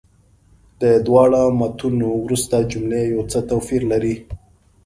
د دواړو متونو وروستۍ جملې یو څه توپیر لري.